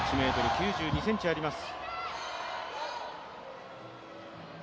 １ｍ９２ｃｍあります。